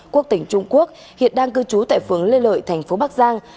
quốc tỉnh trung quốc hiện đang cư trú tại phường lê lợi thành phố bắc giang